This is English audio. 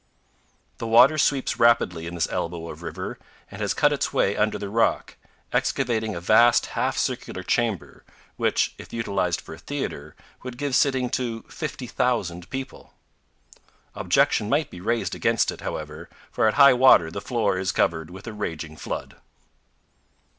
The water sweeps rapidly in this elbow of river, and has cut its way under the rock, excavating a vast half circular chamber, which, if utilized for a theater, would give sitting to 50,000 people. Objection might be raised against it, however, for at high water the floor is covered with a raging flood.